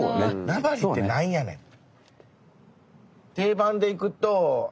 名張って何やねんと。